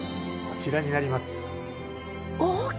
こちらになります。